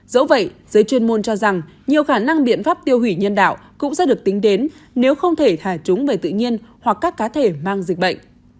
dẫu vậy giới chuyên môn cho rằng nhiều khả năng biện pháp tiêu hủy nhân đạo cũng sẽ được tính đến nếu không thể thả chúng về tự nhiên hoặc các cá thể mang dịch bệnh